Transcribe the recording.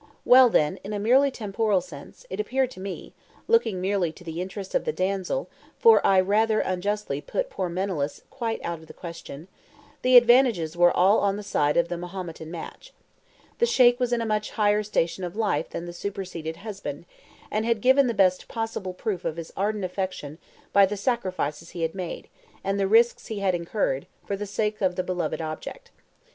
Well, then, in a merely temporal sense, it appeared to me that (looking merely to the interests of the damsel, for I rather unjustly put poor Menelaus quite out of the question) the advantages were all on the side of the Mahometan match. The Sheik was in a much higher station of life than the superseded husband, and had given the best possible proof of his ardent affection by the sacrifices he had made, and the risks he had incurred, for the sake of the beloved object.